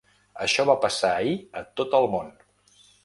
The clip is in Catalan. Això va passar ahir a tot el món.